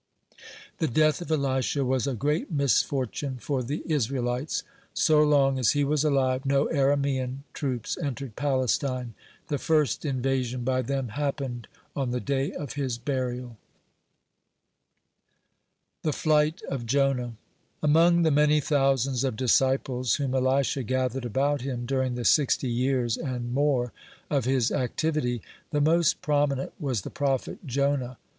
(21) The death of Elisha was a great misfortune for the Israelites. So long as he was alive, no Aramean troops entered Palestine. The first invasion by them happened on the day of his burial. (22) THE FLIGHT OF JONAH Among the many thousands (23) of disciples whom Elisha gathered about him during the sixty years (24) and more of his activity, the most prominent was the prophet Jonah.